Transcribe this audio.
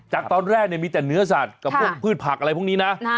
จากตอนแรกมีแต่เนื้อสัตว์กับพวกพืชผักอะไรพวกนี้นะ